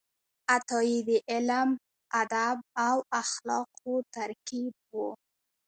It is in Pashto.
عطايي د علم، ادب او اخلاقو ترکیب و.